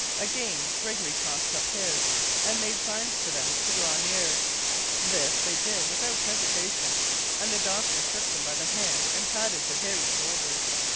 Again Gregory tossed up his, and made signs to them to draw near. This they did without hesitation, and the doctor shook them by the hand and patted their hairy shoulders.